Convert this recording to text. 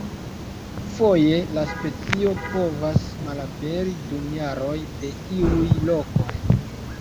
Foje la specio povas malaperi dum jaroj de iuj lokoj.